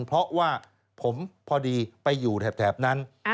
เพราะว่าผมพอดีไปอยู่แถบนั้น